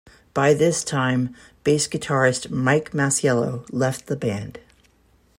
By this time, bass guitarist Mike Masiello left the band.